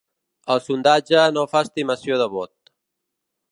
El sondatge no fa estimació de vot.